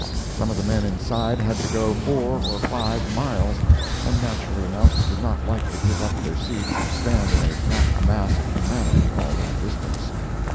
Some of the men inside had to go four or five miles, and naturally enough did not like to give up their seats and stand in a packed mass of humanity all that distance.